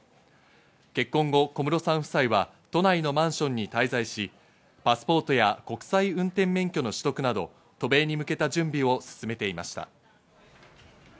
結婚後、小室さん夫妻は都内のマンションに滞在し、パスポートや国際運転免許の取得など、渡米に向けた準備を進めていました。